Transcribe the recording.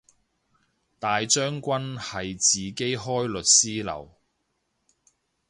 大將軍係自己開律師樓